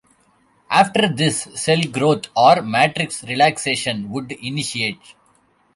After this, cell growth, or matrix relaxation would initiate.